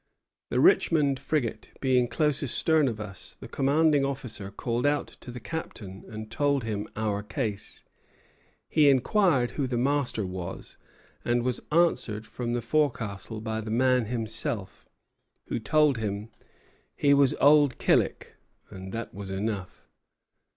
The 'Richmond' frigate being close astern of us, the commanding officer called out to the captain and told him our case; he inquired who the master was, and was answered from the forecastle by the man himself, who told him 'he was old Killick, and that was enough.'